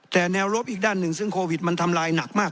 แต่แนวรบอีกด้านหนึ่งซึ่งโควิดมันทำลายหนักมาก